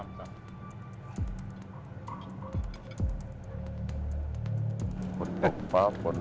สบพรพลสบพรพล